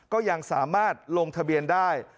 ก็ยังสามารถลงทะเบียนได้